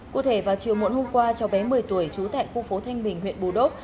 cụ thể vào chiều muộn hôm qua cháu bé một mươi tuổi trú tại khu phố thanh bình huyện bù đốc